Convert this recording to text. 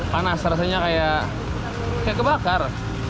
panas rasanya kayak kebakar